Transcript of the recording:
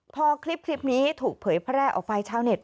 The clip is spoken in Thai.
พอคลิปนี้ถูกเผยแพร่ออกไปชาวเน็ต